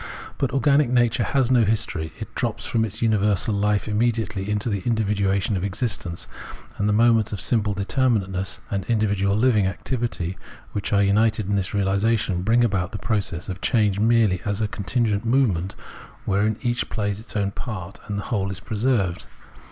But organic nature has no history ; it drops from its universal life immediately into the indi^dduation of existence ; and the moments of simple determinateness and individual Hving activity which are united in this reahsation bring about the process of change merely as a contingent movement wherein each plays its own part, and the whole is preserved.